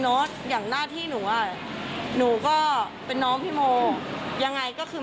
อย่างหน้าที่หนูอ่ะหนูก็เป็นน้องพี่โมยังไงก็คือ